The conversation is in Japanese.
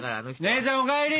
姉ちゃんお帰り！